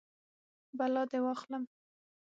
بلا دې واخلم.